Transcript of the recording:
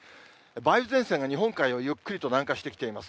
梅雨前線が日本海をゆっくりと南下してきています。